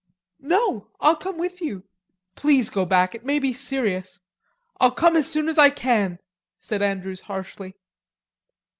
"No, I'll come with you." "Please go back. It may be serious. I'll come as soon as I can," said Andrews harshly.